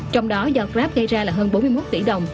trong đó do grab gây ra là hơn bốn mươi một tỷ đồng